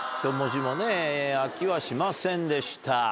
１文字もね開きはしませんでした。